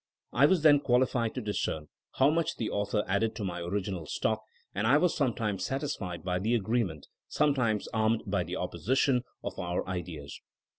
I was then qualified to discern how much the author added to my original stock, and I was sometimes satisfied by the agreement, sometimes armed by the opposition of our ideas.